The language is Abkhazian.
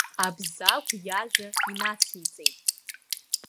Абзагә иажәа инациҵеит.